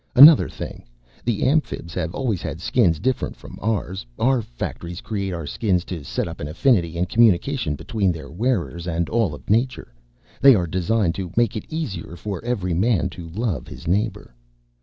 "Another thing. The Amphibs have always had Skins different from ours. Our factories create our Skins to set up an affinity and communication between their wearers and all of Nature. They are designed to make it easier for every Man to love his neighbor.